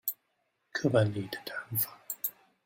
課本裡的談法